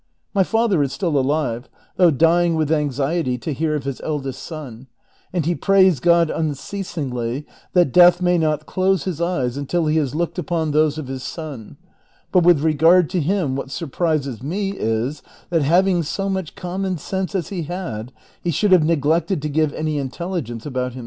My father is still alive, though dying with anxiety to hear of his eldest son, and he prays God unceasingly that death may not close his eyes until he has looked upon those of his son ; but with regard to him what sur prises me is, that having so much common sense as he had, he should 4iave neglected to give any intelligence about himself, 1 If so, the judge's views of the vahie of evidence were peculiar.